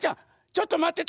ちょっとまってて！